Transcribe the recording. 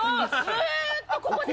ずっとここで。